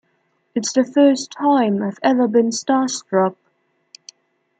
It's the first time I've ever been starstruck.